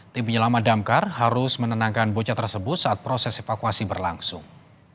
tim penyelamat damkar harus menenangkan bocah tersebut saat proses evakuasi berlangsung